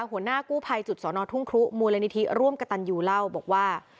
หัวหน้ากู้ภัยจุดสอนอทุ่งครุมูลนิธิร่วมกระตันยูเล่าบอกว่า